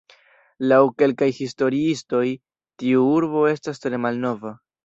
Laŭ kelkaj historiistoj tiu urbo estas tre malnova.